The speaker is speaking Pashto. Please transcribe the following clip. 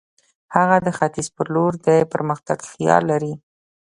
هغه د ختیځ پر لور د پرمختګ خیال لري.